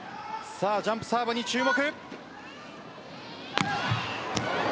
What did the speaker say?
ジャンプサーブに注目。